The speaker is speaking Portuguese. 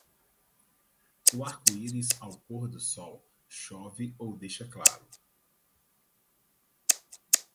O arco-íris ao pôr do sol chove ou deixa claro.